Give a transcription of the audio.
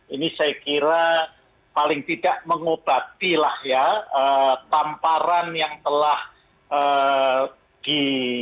ini saya kira paling tidak mengobatilah ya tamparan yang telah di